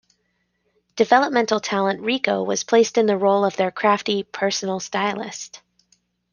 Developmental talent Rico was placed in the role of their crafty "personal stylist".